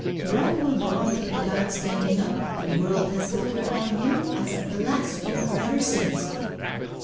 Branwell Brontë died standing up, and the world has looked upon him as a blasphemer ever since.